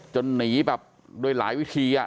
หนีแบบโดยหลายวิธี